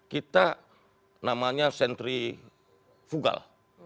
kita namanya sentrifugal